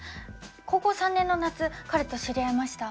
高校３年の夏彼と知り合いました。